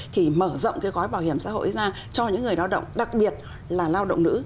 thì mở rộng cái gói bảo hiểm xã hội ra cho những người lao động đặc biệt là lao động nữ